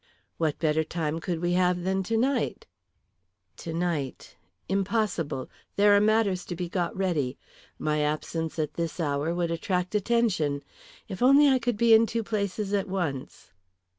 "What better time could we have than tonight?" "Tonight. Impossible. There are matters to be got ready. My absence at this hour would attract attention. If I could only be in two places at once!"